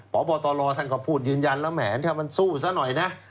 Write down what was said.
พบตรท่านก็พูดยืนยันแล้วแหมถ้ามันสู้ซะหน่อยนะ